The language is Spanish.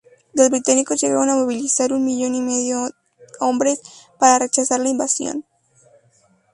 Los británicos llegaron a movilizar un millón y medio hombres para rechazar la invasión.